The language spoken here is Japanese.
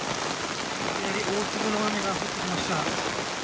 いきなり大粒の雨が降ってきました。